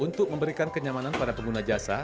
untuk memberikan kenyamanan pada pengguna jasa